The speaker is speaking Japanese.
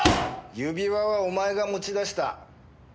指輪はお前が持ち出した。